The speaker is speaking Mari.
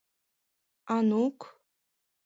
Ану-ук!..